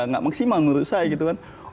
nggak maksimal menurut saya gitu kan